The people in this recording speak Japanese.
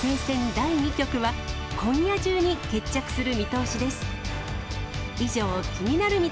第２局は、今夜中に決着する見通しです。